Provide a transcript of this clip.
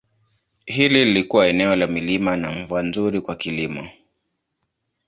Hili lilikuwa eneo la milima na mvua nzuri kwa kilimo.